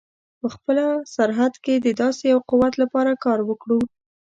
په خپله سرحد کې د داسې یوه قوت لپاره کار وکړو.